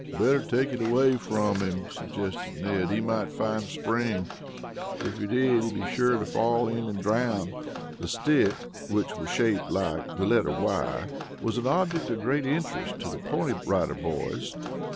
"Better take it away from him," suggested Ned. "He might find a spring. If he did he'd be sure to fall in and drown." The stick, which was shaped like the letter Y, was an object of great interest to the Pony Rider Boys.